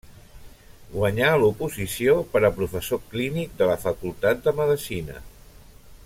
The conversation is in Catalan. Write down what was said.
Guanyà l'oposició per a professor clínic de la Facultat de Medicina.